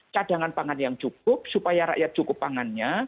cadangan pangan yang cukup supaya rakyat cukup pangannya